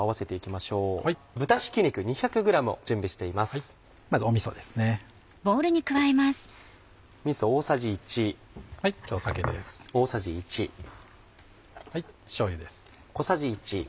しょうゆです。